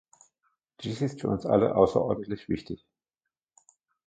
Dies ist für uns alle außerordentlich wichtig.